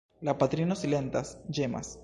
La patrino silentas, ĝemas.